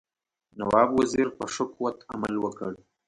نواب وزیر په ښه قوت عمل وکړ.